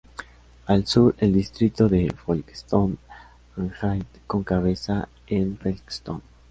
Al sur el distrito de Folkestone and Hythe, con cabeza en Folkestone.